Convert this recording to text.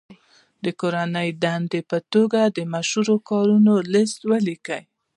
د کورنۍ دندې په توګه مشهورو کارونو لست ولیکئ.